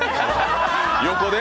横で？